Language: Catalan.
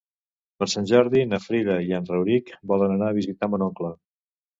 Per Sant Jordi na Frida i en Rauric volen anar a visitar mon oncle.